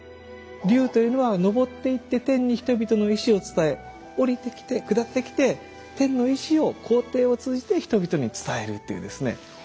龍というのは昇っていって天に人々の意思を伝え下りてきて下ってきて天の意思を皇帝を通じて人々に伝えるっていうですね。